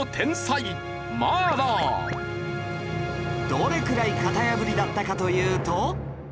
どれくらい型破りだったかというと